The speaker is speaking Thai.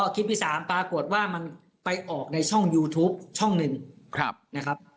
คลิปที่๓ปรากฏว่ามันไปออกในช่องยูทูปช่องหนึ่งนะครับ